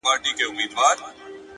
• ما به ولي بې گناه خلک وژلاى,